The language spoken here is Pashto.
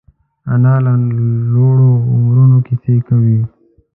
انا له لوړو عمرونو کیسې کوي